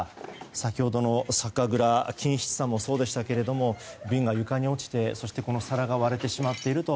先ほどの酒蔵金七さんもそうでしたが瓶が床に落ちて、そして皿が割れてしまっていると。